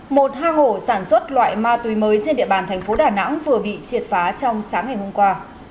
một ha hổ sản xuất loại ma túy mới trên địa bàn thành phố đà nẵng vừa bị triệt phá trong sáng ngày hôm qua